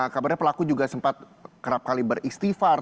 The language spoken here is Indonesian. kabarnya pelaku juga sempat kerap kali beristighfar